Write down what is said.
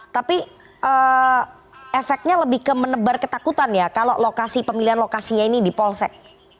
tapi efeknya lebih ke menebar ketakutan ya kalau pemilihan lokasinya ini di polsek